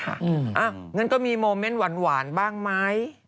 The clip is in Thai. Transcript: งั้นก็มีโมเมนต์หวานบ้างไหม